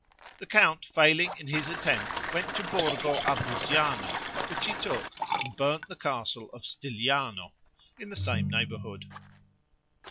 The count failing in his attempt went to Borgo a Buggiano which he took, and burned the castle of Stigliano, in the same neighborhood.